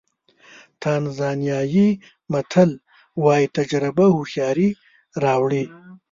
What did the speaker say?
تانزانیایي متل وایي تجربه هوښیاري راوړي.